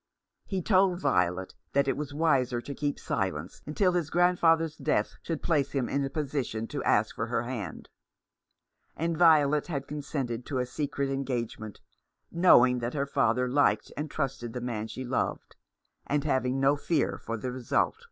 He told Violet that it was wiser to keep silence until his grandfather's death should place him in a position to ask for her hand ; and Violet had consented to a secret engage ment, knowing that her father liked and trusted the man she loved, and having no fear for the result.